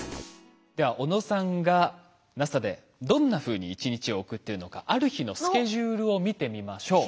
では小野さんがＮＡＳＡでどんなふうに１日を送っているのかある日のスケジュールを見てみましょう。